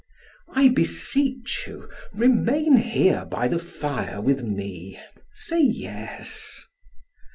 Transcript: "I beseech you, remain here by the fire with me. Say yes."